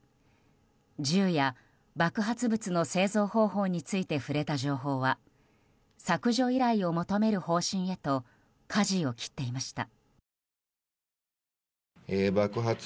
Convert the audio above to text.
銃や爆発物の製造方法について触れた情報は削除依頼を求める方針へとかじを切っていました。